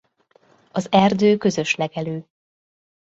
Az erdő közös legelő.